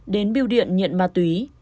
đến biêu điện nhận ma túy